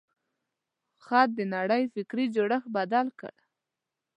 خط د نړۍ فکري جوړښت بدل کړ.